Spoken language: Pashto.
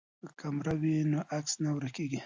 که کیمره وي نو عکس نه ورکیږي.